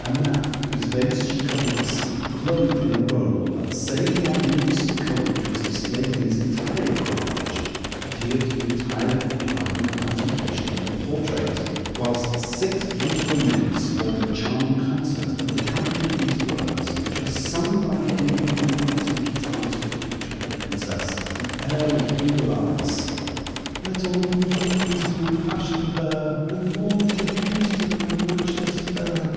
A man, whose face she could not see, clothed in a robe of that same magnificent colour which was displayed in his entire equipage, appeared to be entirely occupied in the contemplation of her portrait, whilst six beautiful nymphs formed a charming concert, and accompanied these words, which were sung by him who did not take his eyes off the picture of the Princess. The air was Duboulai's: Let all things witness to my passion bear, And vaunt the beauties of my matchless fair!